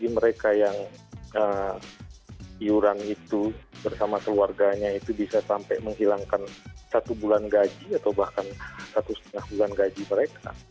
mereka yang iuran itu bersama keluarganya itu bisa sampai menghilangkan satu bulan gaji atau bahkan satu setengah bulan gaji mereka